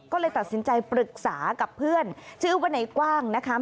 ก็เลยตัดสินใจปรึกษากับเพื่อนชื่อว่าในกว้างนะคะ